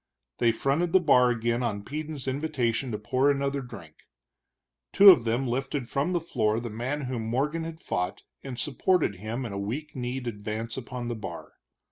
They fronted the bar again on Peden's invitation to pour another drink. Two of them lifted from the floor the man whom Morgan had fought, and supported him in a weak kneed advance upon the bar.